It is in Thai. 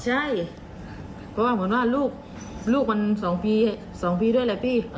ใช่เพราะว่าลูกมัน๒ปีด้วยแหละพี่